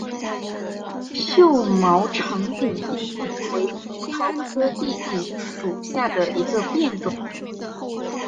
锈毛长柄地锦为葡萄科地锦属下的一个变种。